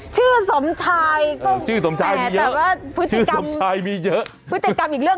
ชื่อสมชายชื่อสมชายมีเยอะแต่ว่าชื่อสมชายมีเยอะพฤติกรรมชื่อสมชายมีเยอะ